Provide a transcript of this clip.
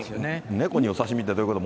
猫にお刺身ってどういうこと？